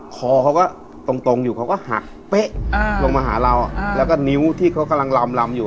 คอเขาก็ตรงอยู่เขาก็หักเป๊ะลงมาหาเราแล้วก็นิ้วที่เขากำลังลำอยู่